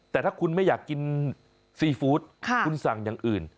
แต่ถ้าคุณไม่อยากกินซีฟู้ดคุณสั่งอย่างอื่น